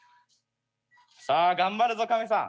さあ頑張るぞカメさん。